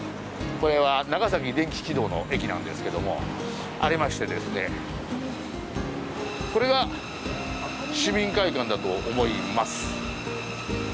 これは長崎電気軌道の駅なんですけども、ありましてですね、これが市民会館だと思います。